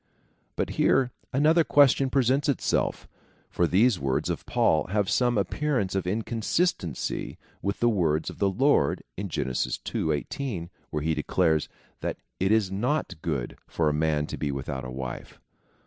But here another question presents itself, for these words of Paul have some appearance of inconsistency with the words of the Lord, in Gen. ii. 1 8, where he declares, that it is not good for a man to be without a wife.